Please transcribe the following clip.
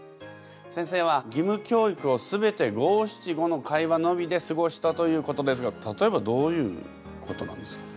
先生はぎむ教育を全て五・七・五の会話のみですごしたということですが例えばどういうことなんですか？